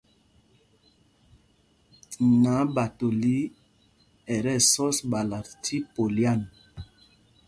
Naɓatoli ɛ tí ɛsɔs ɓala tí polyan.